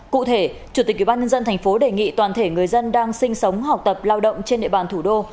cụ thể chủ tịch ubnd tp đề nghị toàn thể người dân đang sinh sống học tập lao động trên địa bàn thủ đô